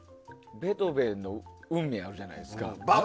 ベートーベンの「運命」あるじゃないですか。